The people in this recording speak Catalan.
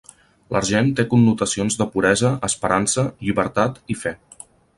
L'argent té connotacions de puresa, esperança, llibertat i fe.